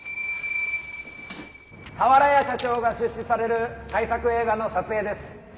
俵屋社長が出資される大作映画の撮影です。